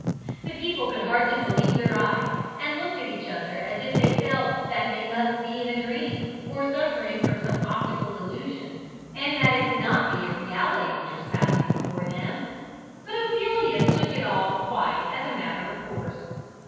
The people could hardly believe their eyes, and looked at each other as if they felt that they must all be in a dream, or suffering from some optical delusion, and that it could not be a reality which was passing before them. But Ophelia took it all quite as a matter of course.